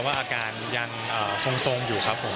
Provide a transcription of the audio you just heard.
ว่าอาการสงสงอยู่ครับผม